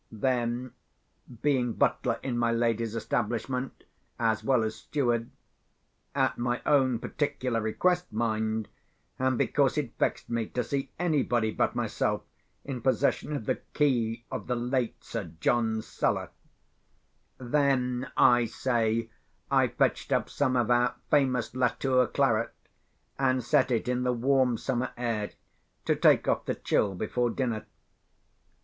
Then, being butler in my lady's establishment, as well as steward (at my own particular request, mind, and because it vexed me to see anybody but myself in possession of the key of the late Sir John's cellar)—then, I say, I fetched up some of our famous Latour claret, and set it in the warm summer air to take off the chill before dinner.